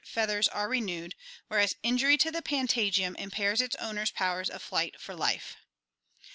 feathers are renewed, whereas injury to the patagium impairs its owner's powers of flight for life.